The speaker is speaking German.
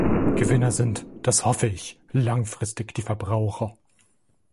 Gewinner sind, das hoffe ich, langfristig die Verbraucher.